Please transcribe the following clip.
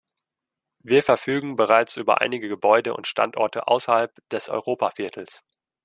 Wir verfügen bereits über einige Gebäude und Standorte außerhalb des Europa-Viertels.